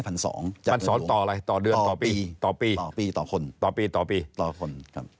การสอนต่ออะไรต่อเดือนต่อปีต่อคนกรมาทีปีต่อคน